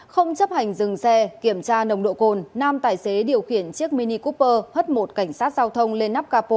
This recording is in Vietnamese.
không chấp hành dừng xe kiểm tra nồng độ cồn nam tài xế điều khiển chiếc mini kuper hất một cảnh sát giao thông lên nắp capo